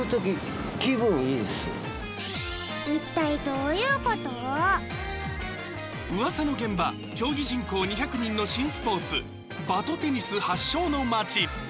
うわさの県は、競技人口２００人のスポーツ、バトテニス発祥の街。